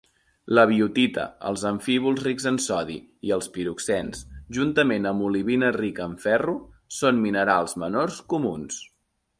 La biotita, els amfíbols rics en sodi i els piroxens juntament amb olivina rica en ferro són minerals menors comuns.